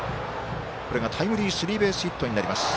これがタイムリースリーベースヒットになりました。